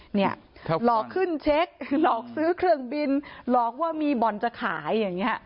หลอกขึ้นเช็คหลอกซื้อเครื่องบินหลอกว่ามีบ่อนจะขายอย่างนี้